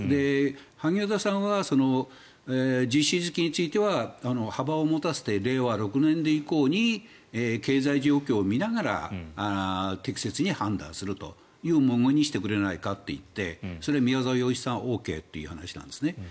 萩生田さんは実施時期については幅を持たせて令和６年度以降に経済状況を見ながら適切に判断するという文言にしてくれないかと言ってそれで宮沢洋一さんはＯＫという話なんですね。